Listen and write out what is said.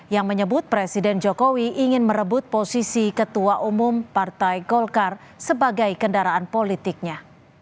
yang menyebut presiden jokowi ingin merebut posisi ketua umum partai golkar sebagai kendaraan politiknya